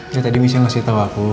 iya tadi miss yang ngasih tau aku